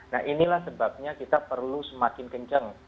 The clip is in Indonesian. nah inilah sebabnya kita perlu semakin kencang